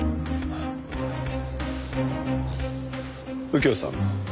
右京さんも？